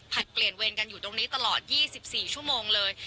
เปลี่ยนเวรกันอยู่ตรงนี้ตลอด๒๔ชั่วโมงเลย